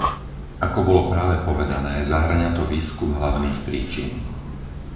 Ako bolo práve povedané, zahŕňa to výskum hlavných príčin.